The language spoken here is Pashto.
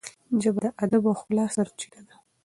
ژبه د ادب او ښکلا سرچینه ده.